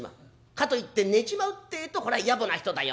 かといって寝ちまうってえとこれは野暮な人だよ